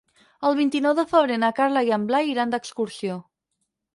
El vint-i-nou de febrer na Carla i en Blai iran d'excursió.